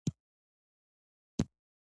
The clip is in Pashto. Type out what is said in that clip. چې مخکې مو هېڅکله هم نه وو ليدلى.